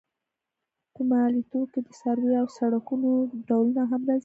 په مالیاتو کې د څارویو او سړکونو ډولونه هم راځي.